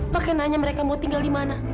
pakai nanya mereka mau tinggal di mana